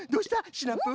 シナプー。